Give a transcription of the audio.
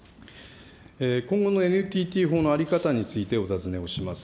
今後のＮＴＴ法の在り方についてお尋ねをします。